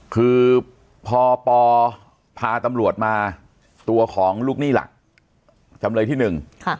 คือพอปอพาตำรวจมาตัวของลูกหนี้หลักจำเลยที่หนึ่ง